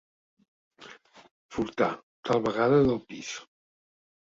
Furtar, tal vegada del pis.